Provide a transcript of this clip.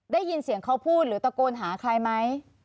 ได้ยินเสียงเขาพูดหรือตะโกนหาใครไหม